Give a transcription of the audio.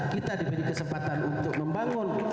kita diberi kesempatan untuk membangun